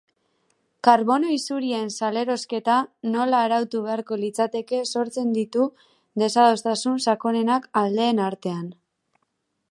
Karbono isurien salerosketa nola arautu beharko litzateke sortzen ditu desadostasun sakonenak aldeen artean.